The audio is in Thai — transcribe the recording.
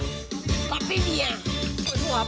ดูท่าทางฝ่ายภรรยาหลวงประธานบริษัทจะมีความสุขที่สุดเลยนะเนี่ย